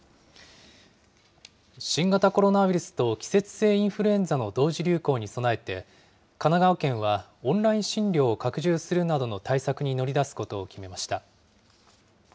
新型コロナウイルスと季節性インフルエンザの同時流行に備えて、神奈川県はオンライン診療を拡充するなどの対策に乗り出すことを決めました。